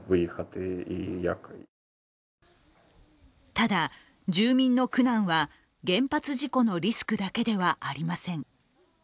ただ、住民の苦難は原発事故のリスクだけではありません。